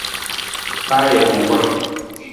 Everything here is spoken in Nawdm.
Pa ajungkur!